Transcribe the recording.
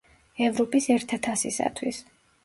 ევროპის ერთა თასისათვის.